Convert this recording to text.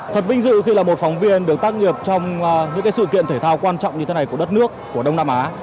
thật vinh dự khi là một phóng viên được tác nghiệp trong những sự kiện thể thao quan trọng như thế này của đất nước của đông nam á